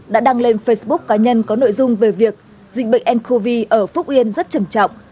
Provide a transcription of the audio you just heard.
đã đăng lên facebook cá nhân có nội dung về việc dịch bệnh ncov ở phúc yên rất trầm trọng